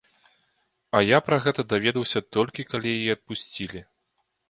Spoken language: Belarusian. А я пра гэта даведаўся толькі, калі яе адпусцілі.